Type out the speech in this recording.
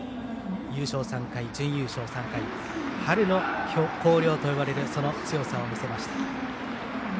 優勝３回、準優勝３回春の広陵と呼ばれるその強さを見せました。